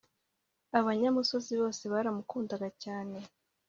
abanyamusozi bose baramukundaga cyane